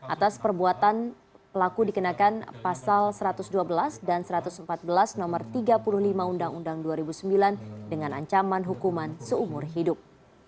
atas perbuatan pelaku dikenakan pasal satu ratus dua belas dan satu ratus empat belas no tiga puluh lima undang undang dua ribu sembilan dengan ancaman hukuman seumur hidup